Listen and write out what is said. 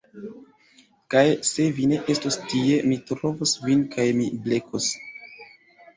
Kaj se vi ne estos tie mi trovos vin kaj mi blekos